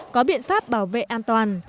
có biện pháp bảo vệ an toàn